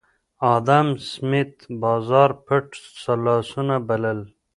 ادم سمېت بازار پټ لاسونه بلل